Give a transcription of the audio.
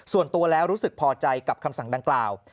ส่วนตัวแล้วรู้สึกพอใจกับคำสั่งดังกล่าว